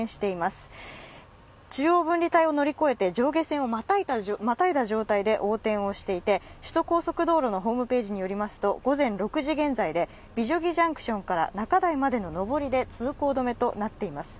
中央分離帯を乗り越えて上下線をまたいだ状態で横転をしていて、首都高速道路のホームページによりますと午前６時現在で美女木ジャンクションから中台までの上りで通行止めとなっています。